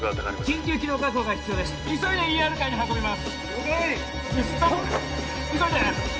急いでＥＲカーに運びます了解１２３